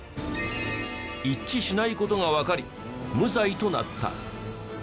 一致しない事がわかり無罪となった。